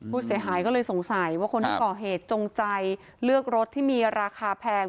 ผู้เสียหายก็เลยสงสัยว่าคนที่ก่อเหตุจงใจเลือกรถที่มีราคาแพง